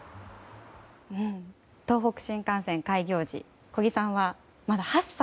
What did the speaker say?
東北新幹線開業時小木さんは、まだ８歳。